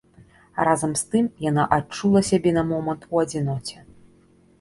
Разам з тым яна адчула сябе на момант у адзіноце.